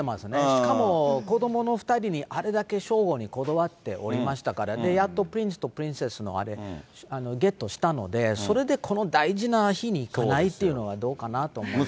しかもこどもの２人にあれだけ称号にこだわっておりましたから、やっとプリンスとプリンセスのあれ、ゲットしたので、それでこの大事な日にいないっていうのはどうかなと思いますね。